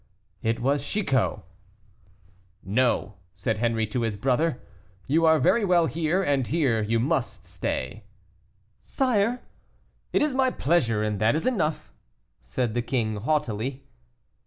It was Chicot. "No," said Henri to his brother; "you are very well here, and here you must stay." "Sire " "It is my pleasure, and that is enough," said the king, haughtily.